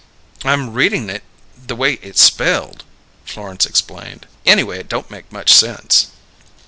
"I'm readin' it the way it's spelled," Florence explained. "Anyway, it don't make much sense."